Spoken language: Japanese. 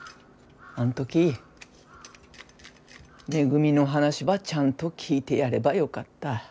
あん時めぐみの話ばちゃんと聞いてやればよかった。